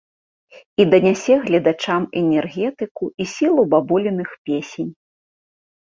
І данясе гледачам энергетыку і сілу бабуліных песень.